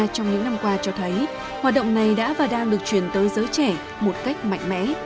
trong những năm qua cho thấy hoạt động này đã và đang được truyền tới giới trẻ một cách mạnh mẽ